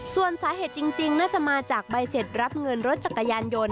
ส่วนสาเหตุจริงน่าจะมาจากใบเสร็จรับเงินรถจักรยานยนต์